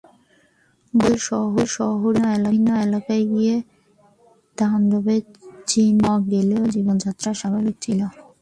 গতকাল শহরের বিভিন্ন এলাকায় গিয়ে তাণ্ডবের চিহ্ন পাওয়া গেলেও জীবনযাত্রা স্বাভাবিক ছিল।